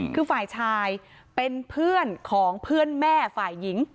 คือฝ่ายชายเป็นเพื่อนของเพื่อนแม่ฝ่ายหญิง